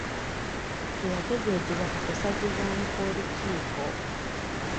Teyategeezebwa ku kusazibwamu kw'olukiiko.